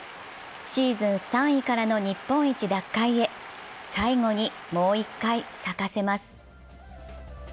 シーズン３位からの日本一奪回へ最後にもう一回咲かせます。